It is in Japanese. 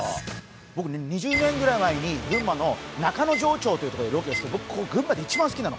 僕ね、２０年ぐらい前に群馬の中之条町というところでロケをやったんですけど、僕、ここが群馬で一番好きなの。